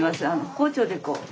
包丁でこう。